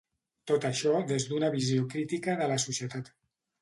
Tot això des d’una visió crítica de la societat.